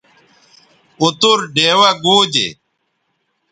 اوتر ڈیوہ گو دے